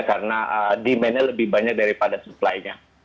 karena demand nya lebih banyak daripada supply nya